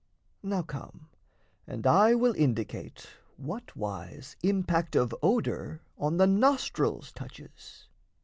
Now come, and I will indicate what wise Impact of odour on the nostrils touches.